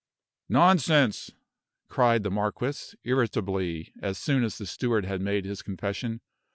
"Nonsense!" cried the marquis, irritably, as soon as the steward had made his confession.